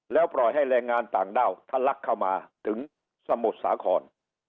แล้วปล่อยให้แรงงานต่างด้าวทะลักเข้ามาถึงสมุทรสาคร